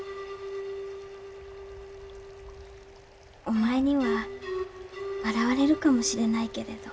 お前には笑われるかもしれないけれど。